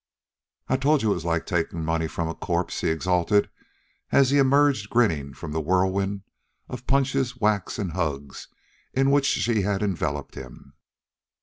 "I told you it was like takin' money from a corpse," he exulted, as he emerged grinning from the whirlwind of punches, whacks, and hugs in which she had enveloped him.